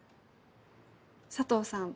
佐藤さん